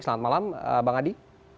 selamat malam bang adi